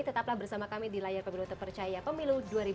tetaplah bersama kami di layar pemilu terpercaya pemilu dua ribu dua puluh